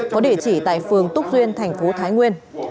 có địa chỉ tại phường túc duyên thành phố thái nguyên